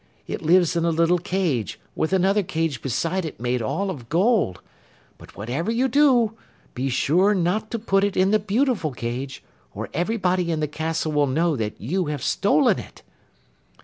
It lives in a little cage, with another cage beside it made all of gold. But whatever you do, be sure not to put it in the beautiful cage, or everybody in the castle will know that you have stolen it.